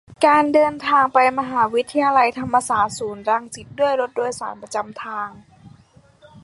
การเดินทางไปมหาวิทยาลัยธรรมศาสตร์ ศูนย์รังสิต ด้วยรถโดยสารประจำทาง